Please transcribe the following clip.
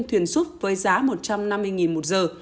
thuyền xúc với giá một trăm năm mươi một giờ